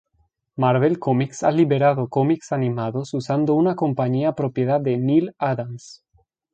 Marvel Comics ha liberado cómics animados usando una compañía propiedad de Neal Adams.